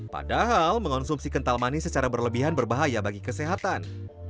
padahal mengonsumsi kental manis secara berlebihan berbahaya bagi kesehatan